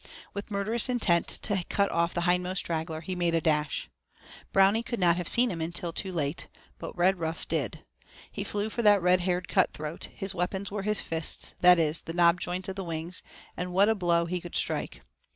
With murderous intent to cut off the hindmost straggler, he made a dash. Brownie could not have seen him until too late, but Redruff did. He flew for that red haired cutthroat; his weapons were his fists, that is, the knob joints of the wings, and what a blow he could strike!